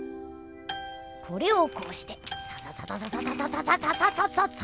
これをこうしてサササササササササササササ！